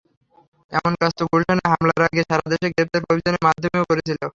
এমন কাজ তো গুলশানে হামলার আগে সারা দেশে গ্রেপ্তার অভিযানের মাধ্যমেও করেছিল।